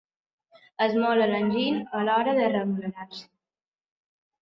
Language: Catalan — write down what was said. Esmola l'enginy a l'hora d'arrenglerar-se.